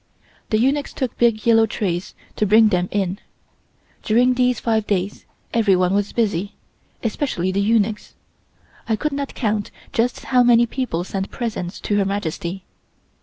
The eunuchs took big yellow trays to bring them in. During these five days everyone was busy, especially the eunuchs. I could not count just how many people sent presents to Her Majesty.